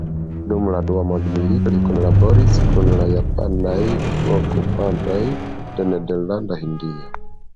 Dum la Dua mondmilito li kunlaboris kun la japanaj okupantoj de Nederlanda Hindio.